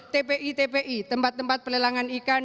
tpi tpi tempat tempat pelelangan ikan